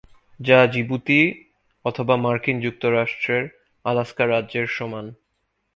যা জিবুতি অথবা মার্কিন যুক্তরাষ্ট্রের আলাস্কা রাজ্যের সমান।